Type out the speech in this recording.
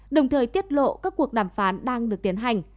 đồng thời tiết lộ các cuộc đàm phán đang được tiến hành